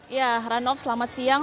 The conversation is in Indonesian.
ya ranoff selamat siang